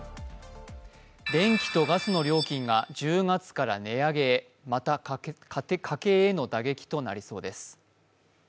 電気とガスの料金が１０月から値上げへまた家計への打撃となりそうです。